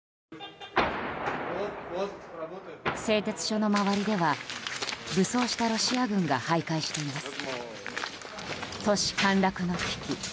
製鉄所の周りでは武装したロシア軍が徘徊しています。